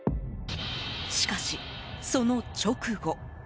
しかし、その直後。